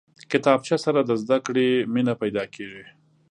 کتابچه سره د زده کړې مینه پیدا کېږي